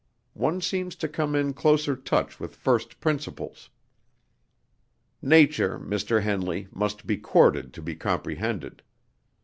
One seems to come in closer touch with first principles. Nature, Mr. Henley, must be courted to be comprehended."